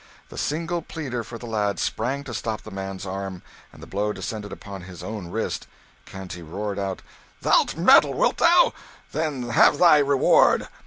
The single pleader for the lad sprang to stop the man's arm, and the blow descended upon his own wrist. Canty roared out "Thou'lt meddle, wilt thou? Then have thy reward."